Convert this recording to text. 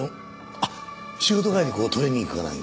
あっ仕事帰りにこうトレーニングかなんかで？